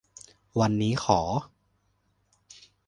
วันนี้ขอ